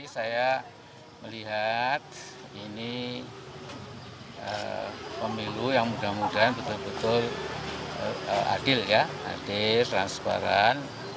saya melihat ini pemilu yang mudah mudahan betul betul adil ya adil transparan